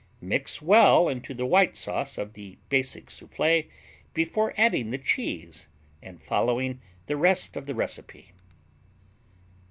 Mix well into the white sauce of the Basic Soufflé before adding the cheese and following the rest of the recipe.